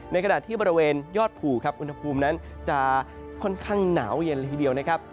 ขณะที่บริเวณยอดภูครับอุณหภูมินั้นจะค่อนข้างหนาวเย็นเลยทีเดียวนะครับ